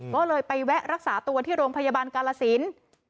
ก็เลยไปแวะรักษาตัวที่โรงพยาบาลกาลสิน